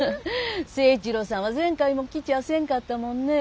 誠一郎さんは前回も来ちゃせんかったもんねぇ。